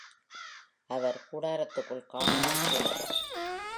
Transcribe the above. அவர் கூடாரத்திற்குள் காணாமல் போனார்.